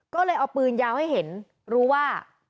ก็เลยเอาปืนยาวให้เห็นรู้ว่า